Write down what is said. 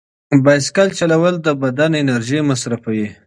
بایسکل چلول د بدن انرژي مصرفوي.